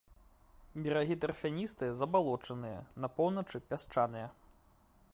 Берагі тарфяністыя, забалочаныя, на поўначы пясчаныя.